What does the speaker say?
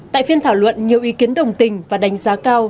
tại phiên thảo luận nhiều ý kiến đồng tình và đánh giá cao